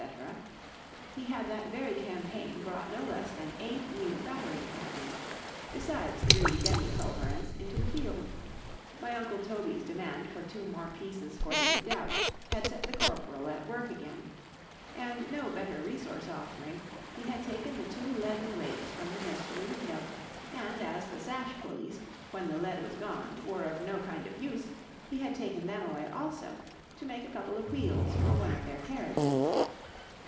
——he had that very campaign brought no less than eight new battering cannons, besides three demi culverins, into the field; my uncle Toby's demand for two more pieces for the redoubt, had set the corporal at work again; and no better resource offering, he had taken the two leaden weights from the nursery window: and as the sash pullies, when the lead was gone, were of no kind of use, he had taken them away also, to make a couple of wheels for one of their carriages.